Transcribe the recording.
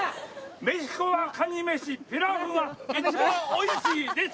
「メヒコはカニ飯ピラフは一番おいしいです！」